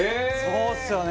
そうですよね！